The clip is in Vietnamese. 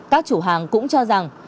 các chủ hàng cũng cho rằng